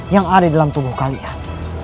yang ada dalam tubuh kalian